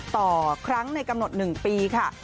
ต่อครั้งในกำหนด๑ปีค่ะ